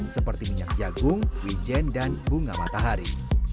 seperti minyak jagung wijen dan bunga matahari